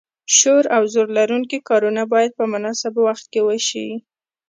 شور او زور لرونکي کارونه باید په مناسب وخت کې وشي.